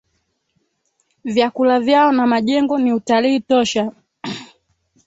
Vyakula vyao na majengo ni utalii tosha